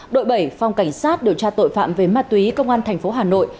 đội bảy phòng cảnh sát điều tra tội phạm về ma túy công an thành phố hà nội